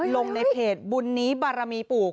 ลงในเพจบุญนี้บารมีปลูก